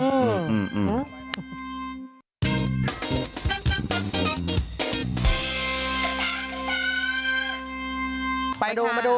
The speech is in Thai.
อืมอืม